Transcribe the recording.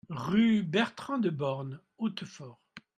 Rue Bertran de Born, Hautefort